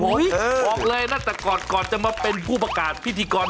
บอกเลยนะแต่ก่อนจะมาเป็นผู้ประกาศพิธีกร